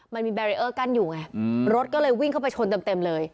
มันมีกั้นอยู่ไงอืมรถก็เลยวิ่งเข้าไปชนเต็มเต็มเลย